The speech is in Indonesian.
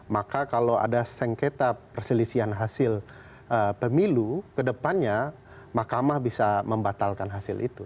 maka kalau ada sengketa perselisihan hasil pemilu kedepannya makamah bisa membatalkan hasil itu